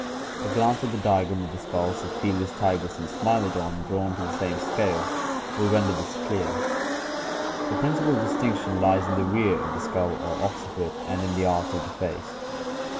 A glance at the diagram of the skulls of Felts tigris and Smilodon, drawn to the same scale (Fig. 183), will render this clear. The principal distinction lies in the rear of the skull or occi put and in the arch of the face.